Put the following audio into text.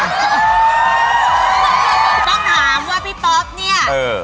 ต้องถามว่าพี่ป๊อปเนี่ย